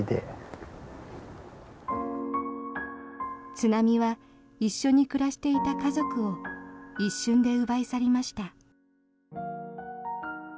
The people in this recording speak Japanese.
津波は一緒に暮らしていた家族を一瞬で奪い去りました。